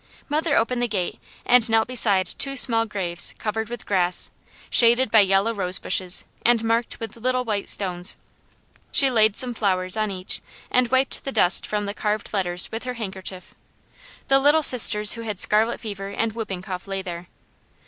Mother opened the gate and knelt beside two small graves covered with grass, shaded by yellow rose bushes, and marked with little white stones. She laid some flowers on each and wiped the dust from the carved letters with her handkerchief. The little sisters who had scarlet fever and whooping cough lay there.